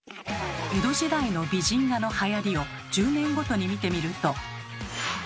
江戸時代の美人画のはやりを１０年ごとに見てみると。